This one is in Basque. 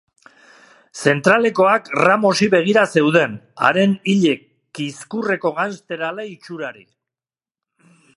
Zentralekoak Ramosi begira zeuden, haren ile kizkurreko gangster alai itxurari.